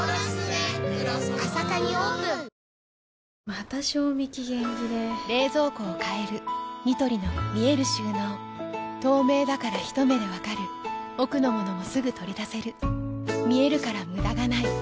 また賞味期限切れ冷蔵庫を変えるニトリの見える収納透明だからひと目で分かる奥の物もすぐ取り出せる見えるから無駄がないよし。